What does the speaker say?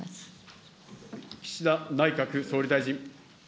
岸田内閣総理大臣。